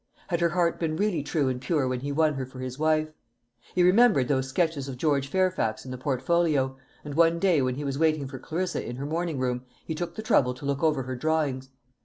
Had her heart been really true and pure when he won her for his wife? He remembered those sketches of George Fairfax in the portfolio, and one day when he was waiting for Clarissa in her morning room he took the trouble to look over her drawings.